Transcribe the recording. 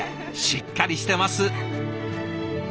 しっかりしてます。